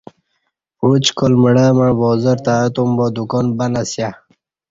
پعوچکال مڑہ مع بازارتہ اہ تم با دکان بند اسیہ